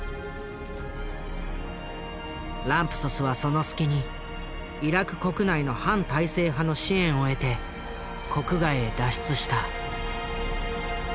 ランプソスはその隙にイラク国内の反体制派の支援を得て国外へ脱出した。